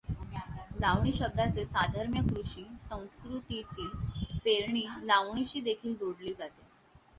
लावणी शब्दाचे साधर्म्य कृषी संस्कृतीतील पेरणी, लावणीशी देखील जोडली जाते.